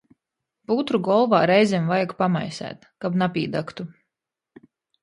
Putru golvā reizem vajag pamaiseit, kab napīdagtu...